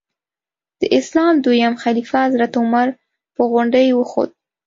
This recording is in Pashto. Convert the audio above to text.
د اسلام دویم خلیفه حضرت عمر په غونډۍ وخوت.